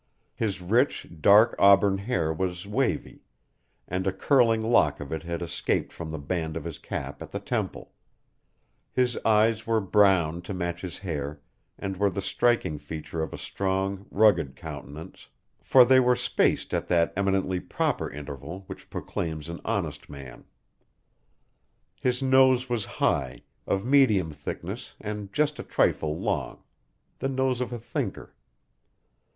His rich, dark auburn hair was wavy, and a curling lock of it had escaped from the band of his cap at the temple; his eyes were brown to match his hair and were the striking feature of a strong, rugged countenance, for they were spaced at that eminently proper interval which proclaims an honest man. His nose was high, of medium thickness and just a trifle long the nose of a thinker.